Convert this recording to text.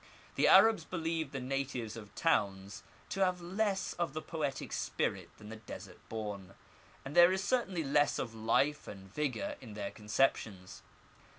The Arabs believed the natives of towns to have less of the poetic spirit than the desert born, and there is certainly less of life and vigour in their conceptions.